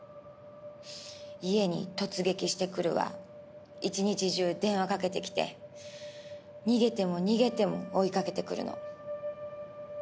家に突撃してくるわ一日中電話かけてきて逃げても逃げても追い掛けてくるの。